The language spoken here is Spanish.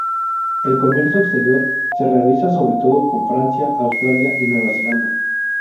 El comercio exterior se realiza sobre todo con Francia, Australia y Nueva Zelanda.